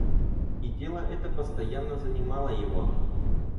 И дело это постоянно занимало его.